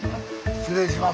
失礼します。